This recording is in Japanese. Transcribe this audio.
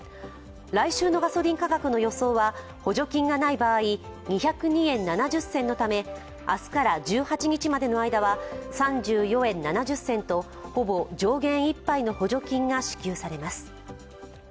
来週のガソリン価格の予想は補助金がない場合、２０２円７０銭のため、明日から１８日までの間は３４円７０銭と、ほぼ上限いっぱいの補助金が支給されます。